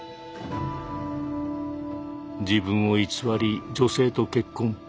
自分を偽り女性と結婚。